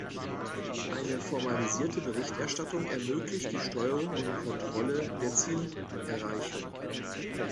Eine formalisierte Berichterstattung ermöglicht die Steuerung und Kontrolle der Zielerreichung.